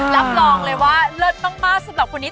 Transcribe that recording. รับรองเลยว่าเลิศมากสำหรับคนนี้